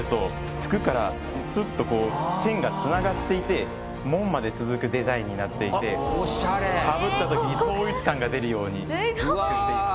服からスッと線がつながっていて門までつづくデザインになっていてかぶった時に統一感が出るように作っています・